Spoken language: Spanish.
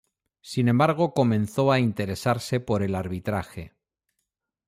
Sin embargo, comenzó a interesarse por el arbitraje.